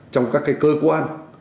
trong các cái cơ quan